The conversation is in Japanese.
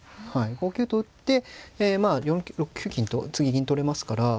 ５九と打って６九金と次銀取れますから。